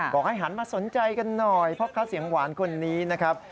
บอกให้หันมาสนใจกันหน่อยพ่อค้าเสียงหวานคนนี้นะครับ